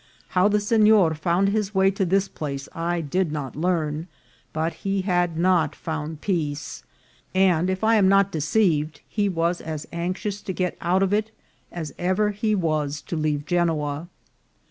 How the signer found his way to this place I did not learn, but he had not found peace ; and, if I am not deceived, he was as anxious to get out of it as ever he was to leave Genoa.